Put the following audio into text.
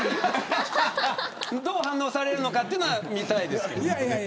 どう反応されるのかっていうのは見たいですけど。